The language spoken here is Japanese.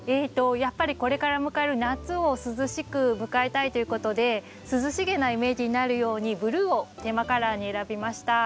やっぱりこれから迎える夏を涼しく迎えたいということで涼しげなイメージになるようにブルーをテーマカラーに選びました。